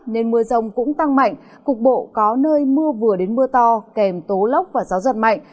nên mưa rông cũng tăng mạnh cục bộ có nơi mưa vừa đến mưa to kèm tố lốc và gió giật mạnh